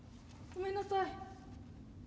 ごめんなさい。